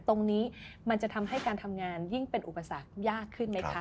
ตรงนี้มันจะทำให้การทำงานยิ่งเป็นอุปสรรคยากขึ้นไหมคะ